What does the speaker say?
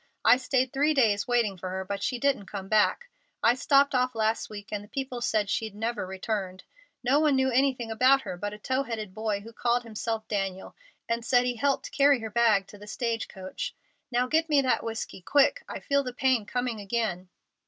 I stayed three days, waiting for her, but she didn't come back. I stopped off last week, and the people said she'd never returned. No one knew anything about her but a tow headed boy who called himself Daniel and said he helped carry her bag to the stage coach. Now get me that whiskey quick. I feel the pain coming again."